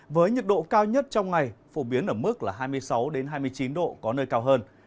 với nhiệt độ cao nhất trong ngày phổ biến ở mức hai mươi sáu hai mươi chín độ có nơi cao hơn